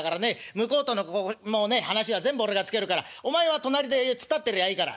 向こうとの話は全部俺がつけるからお前は隣で突っ立ってりゃいいから。